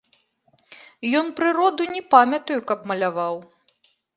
Ён прыроду, не памятаю, каб маляваў.